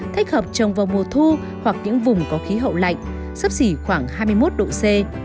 thích hợp trồng vào mùa thu hoặc những vùng có khí hậu lạnh sắp xỉ khoảng hai mươi một độ c